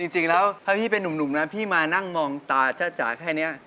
จริงแล้วถ้าพี่เป็นนุ่มนะพี่มานั่งมองตาจ้าจ๋าแค่นี้